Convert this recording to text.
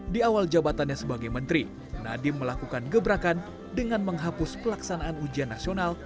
di awal jabatannya sebagai menteri nadiem melakukan gebrakan dengan menghapus pelaksanaan ujian nasional